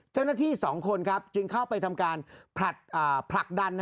เจ้าหน้าที่สองคนครับจึงเข้าไปทำการผลักดัน